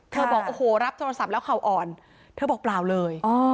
บอกโอ้โหรับโทรศัพท์แล้วเข่าอ่อนเธอบอกเปล่าเลย